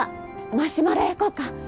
マシュマロ焼こうか。